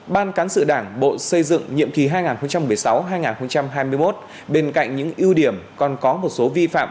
ban cán sự đảng bộ xây dựng nhiệm kỳ hai nghìn một mươi sáu hai nghìn hai mươi một bên cạnh những ưu điểm còn có một số vi phạm